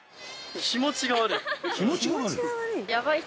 気持ちが悪い？